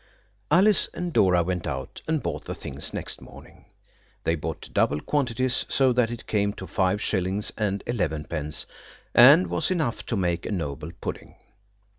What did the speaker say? Alice and Dora went out and bought the things next morning. They bought double quantities, so that it came to five shillings and elevenpence, and was enough to make a noble pudding.